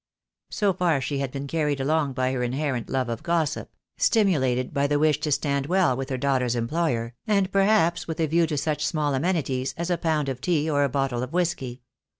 So far she had been carried along by her inherent love of gossip, stimulated by the wish to stand well with her daughter's employer, and perhaps with a view to such small amenities as a pound of tea or a bottle of whisky.